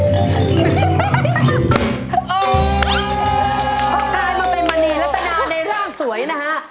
พอกลายมาเป็นมณีรัตนาในร่างสวยนะฮะ